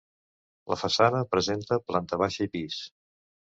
La façana presenta planta baixa i pis.